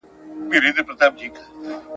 چي بچي دي زېږولي غلامان دي ..